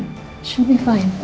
dia akan baik baik saja